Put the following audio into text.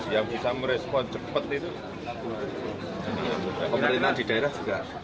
yang bisa merespon cepat itu pemerintahan di daerah juga